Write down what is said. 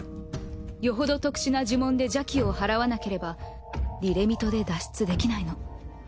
よほど特殊な呪文で邪気を払わなければリレミトで脱出できないの。